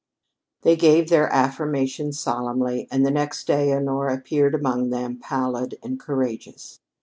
They gave their affirmation solemnly, and the next day Honora appeared among them, pallid and courageous.